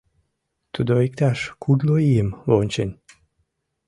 Тудо иктаж кудло ийым вончен.